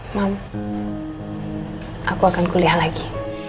mama aku akan kuliah lagi